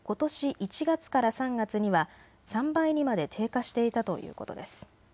１月から３月には３倍にまで低下していたということです。